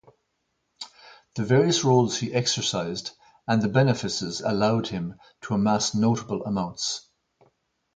The various roles he exercised and the benefices allowed him to amass notable amounts.